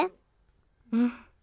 うん。